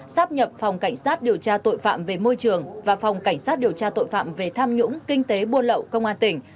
sắp nhập phòng cảnh sát điều tra tội phạm về môi trường và phòng cảnh sát điều tra tội phạm về tham nhũng kinh tế buôn lậu công an tỉnh